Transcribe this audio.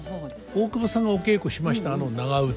大久保さんがお稽古しましたあの長唄